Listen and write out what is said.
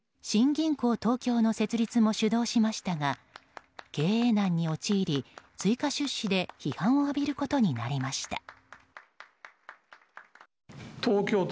新銀行東京の設立も主導しましたが経営難に陥り、追加出資で批判を浴びることになりました。